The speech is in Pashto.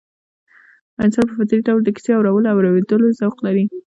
انسان په فطري ډول د کيسې اورولو او اورېدلو ذوق لري